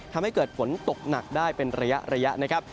ทำให้เกิดฝนตกหนักได้เป็นระยะนะครับ